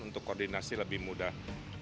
untuk koordinasi lebih mudah